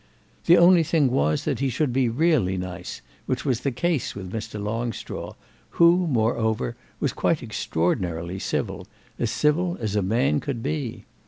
The only thing was that he should be really nice, which was the case with Mr. Longstraw, who, moreover, was quite extraordinarily civil—as civil as a man could be.